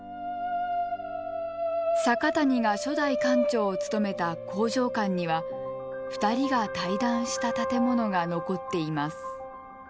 阪谷が初代館長を務めた興譲館には２人が対談した建物が残っています。